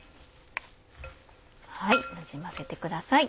なじませてください。